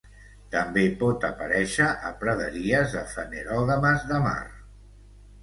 També pot aparèixer a praderies de fanerògames de mar.